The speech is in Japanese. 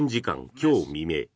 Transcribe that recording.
今日未明